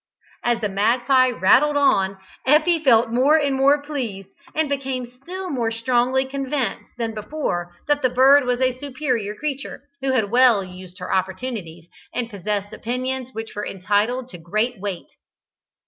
'" As the magpie rattled on, Effie felt more and more pleased, and became still more strongly convinced than before that the bird was a superior creature, who had well used her opportunities, and possessed opinions which were entitled to great weight.